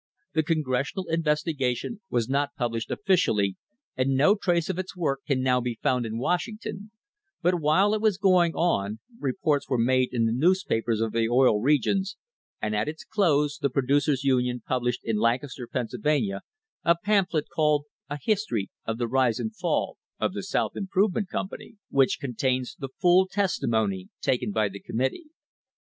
The Con gressional Investigation was not published officially, and no trace of its work can now be found in Washington, but while it was going on reports were made in the newspapers of the Oil'Regions, and at its close the Producers' Union published in Lancaster, Pennsylvania, a pamphlet called "A History of the Rise and Fall of the South Improvement Company," which contains the full testimony taken by the committee.